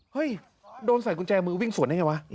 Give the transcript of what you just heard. เฮ้ยโดนใส่กุญแจมือวิ่งสวนได้ไงวะ